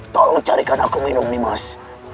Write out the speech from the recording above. tolong carikan aku minum dimas